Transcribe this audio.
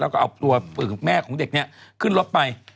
เราก็เอาตัวปืนแม่ของเด็กนี้ขึ้นรถไป